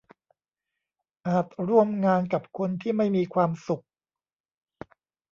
อาจร่วมงานกับคนที่ไม่มีความสุข